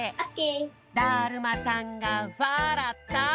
だるまさんがわらった！